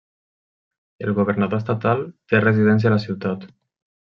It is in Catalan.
El governador estatal té residència a la ciutat.